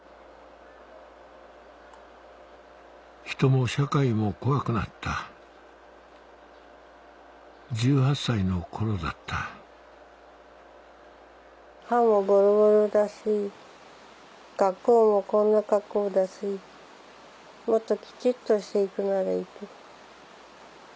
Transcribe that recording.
人も社会も怖くなった１８歳の頃だった歯もボロボロだし格好もこんな格好だしもっとキチっとして行くならいいけど。